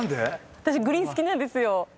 私グリーン好きなんですよ。